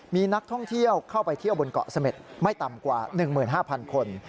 มีนักท่องเที่ยวเข้าไปเที่ยวบนเกาะเสม็ดไม่ต่ำกว่า๑๕๐๐คน